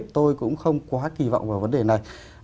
tôi cũng không quá kỳ vọng vào vấn đề này